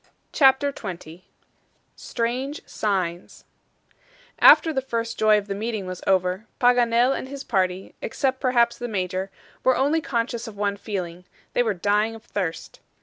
CHAPTER XX STRANGE SIGNS AFTER the first joy of the meeting was over, Paganel and his party, except perhaps the Major, were only conscious of one feeling they were dying of thirst.